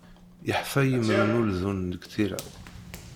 Yeḥfa yimru n uldun deg tira.